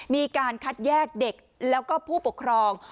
มีการคัดแยกเด็กแล้วก็ผู้ปกครอง